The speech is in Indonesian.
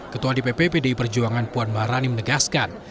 ketua dpp pdi perjuangan puan maharani menegaskan